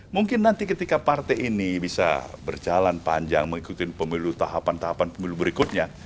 mungkin nanti ketika partai ini bisa berjalan panjang mengikuti pemilu tahapan tahapan pemilu berikutnya